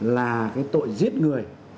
là cái tội giết người